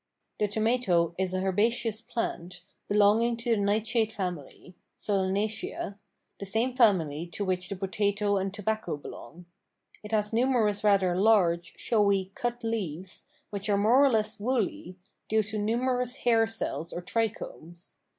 _) The tomato is an herbaceous plant, belonging to the nightshade family (Solanaceae), the same family to which the potato and tobacco belong. It has numerous rather large, showy, cut leaves, which are more or less woolly, due to numerous hair cells or trichomes.